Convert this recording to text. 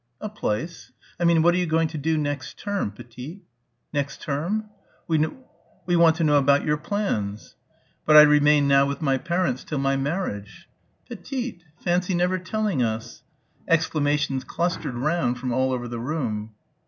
"A place?" "I mean what are you going to do next term, petite?" "Next term?" "We want to know about your plans." "But I remain now with my parents till my marriage!" "Petite!!! Fancy never telling us." Exclamations clustered round from all over the room.